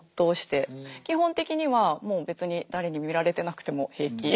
基本的にはもう別に誰に見られてなくても平気。